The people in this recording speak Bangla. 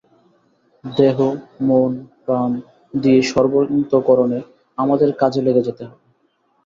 দেহ-মন-প্রাণ দিয়ে সর্বান্তঃকরণে আমাদের কাজে লেগে যেতে হবে।